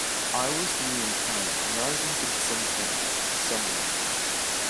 I was new in town and I wanted something, someone.